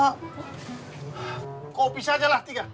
kopis aja lah tiga